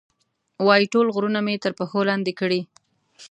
وایي، ټول غرونه مې تر پښو لاندې کړي.